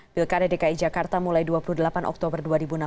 pilkada dki jakarta mulai dua puluh delapan oktober dua ribu enam belas